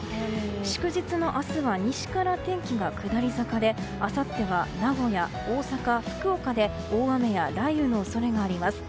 祝日の明日は西から天気が下り坂であさっては名古屋、大阪福岡で大雨や雷雨の恐れがあります。